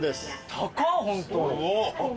高っホント。